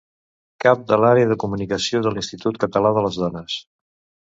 Cap de l'Àrea de Comunicació de l'Institut Català de les Dones.